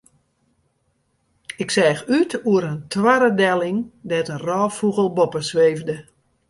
Ik seach út oer in toarre delling dêr't in rôffûgel boppe sweefde.